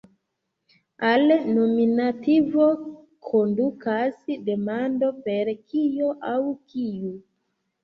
Al nominativo kondukas demando per "kio" aŭ "kiu".